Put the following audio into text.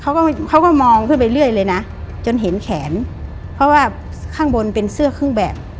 เขาก็เขาก็มองขึ้นไปเรื่อยเลยนะจนเห็นแขนเพราะว่าข้างบนเป็นเสื้อเครื่องแบบ